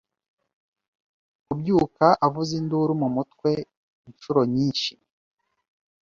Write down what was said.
kubyuka avuza induru mumutwe inshuro nyinshi